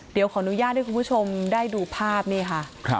เดี๋ยวขออนุญาตให้คุณผู้ชมได้ดูภาพนี่ค่ะ